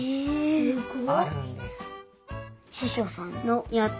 すごい。